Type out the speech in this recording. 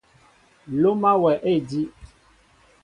Loma wɛ a ediw.